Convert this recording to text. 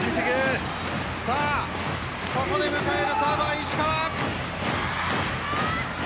ここで迎えるサーブは石川。